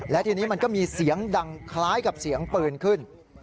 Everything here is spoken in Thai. และทีนี้มันก็มีเสียงดังคล้ายกับเสียงปืนขึ้น